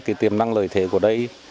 cái tiềm năng lợi thế của đây